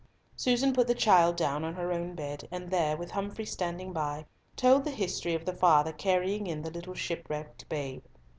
Susan put the child down on her own bed, and there, with Humfrey standing by, told the history of the father carrying in the little shipwrecked babe.